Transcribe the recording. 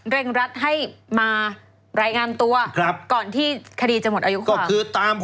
เร่งรัดให้มารายงานตัวก่อนที่คดีจะหมดอายุความ